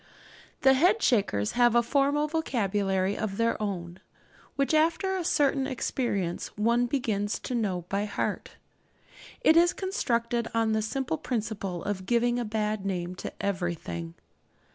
The Head shakers have a formal vocabulary of their own, which, after a certain experience, one begins to know by heart. It is constructed on the simple principle of giving a bad name to everything.